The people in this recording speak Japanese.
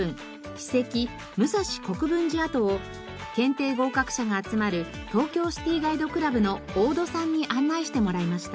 史跡武蔵国分寺跡を検定合格者が集まる東京シティガイドクラブの大戸さんに案内してもらいました。